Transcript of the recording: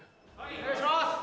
お願いします